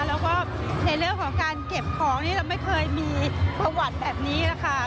แล้วก็ในเรื่องของการเก็บของนี่เราไม่เคยมีประวัติแบบนี้นะคะ